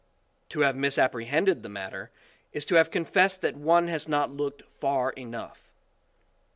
To have misapprehended the matter, is to have con fessed that one has not looked far enough.